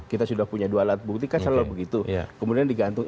kita sudah punya dua alat bukti kan selalu begitu kemudian digantung